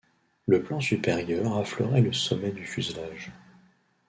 Le plan supérieur affleurait le sommet du fuselage.